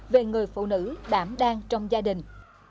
về người phụ nữ đảm đang trong gia đình